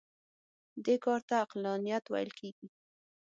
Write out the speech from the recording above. دې کار ته عقلانیت ویل کېږي.